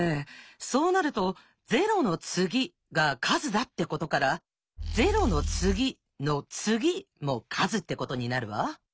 そうなると「『０の次』が数だ」ってことから「『の次』も数」ってことになるわ。